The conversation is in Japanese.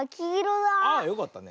あっよかったね。